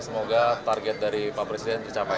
semoga target dari pak presiden tercapai